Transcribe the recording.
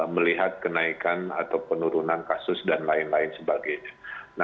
melihat kenaikan atau penurunan kasus dan lain lain sebagainya